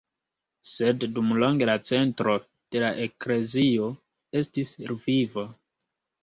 Sed dumlonge la centro de la eklezio estis Lvivo.